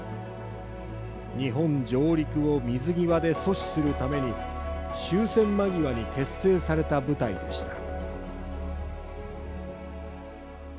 日本上陸を水際で阻止するために終戦間際に結成された部隊でした。